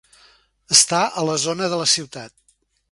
Està a la zona de la ciutat.